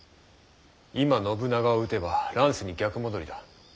今信長を討てば乱世に逆戻りだ。